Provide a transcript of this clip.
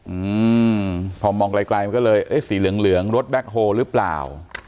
อืมพอมองไกลไกลมันก็เลยเอ๊ะสีเหลืองเหลืองรถแบ็คโฮลหรือเปล่า